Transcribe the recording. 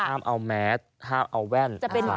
เอาแมสห้ามเอาแว่น